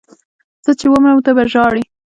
زه چې ومرم ته به ژاړې